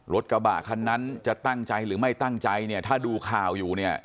รถกระบะคันนั้นจะตั้งใจหรือไม่ตั้งใจเนี่ยถ้าดูข่าวอยู่เนี่ย